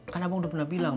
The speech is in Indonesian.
kan abang udah pernah bilang